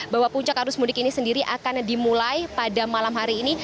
bahwa puncak arus mudik ini sendiri akan dimulai pada malam hari ini